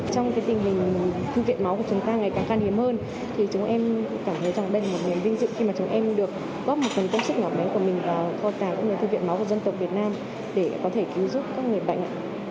trong tình hình thư viện máu của chúng ta ngày càng càng hiếm hơn thì chúng em cảm thấy rằng đây là một nền vinh dự khi mà chúng em được góp một phần công sức ngọt méo của mình vào kho tài thư viện máu của dân tộc việt nam để có thể cứu giúp các người bệnh